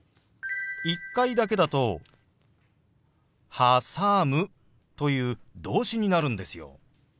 １回だけだと「はさむ」という動詞になるんですよ。